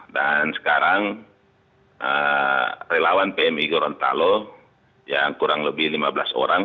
dan sekarang relawan pmi gorontalo yang kurang lebih lima belas orang